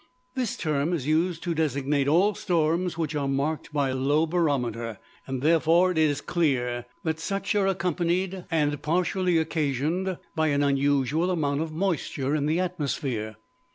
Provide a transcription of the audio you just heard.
This term is used to designate all storms which are marked by low barometer, and therefore it is clear that such are accompanied and partially occasioned by an unusual amount of moisture in the atmosphere.